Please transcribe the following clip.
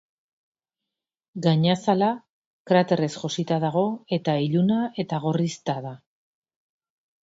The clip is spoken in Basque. Gainazala kraterrez josia dago, eta iluna eta gorrizta da.